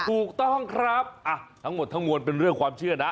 ถูกต้องครับทั้งหมดทั้งมวลเป็นเรื่องความเชื่อนะ